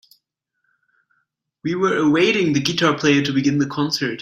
We were awaiting the guitar player to begin the concert.